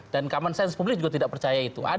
dan common sense publik juga tidak percaya itu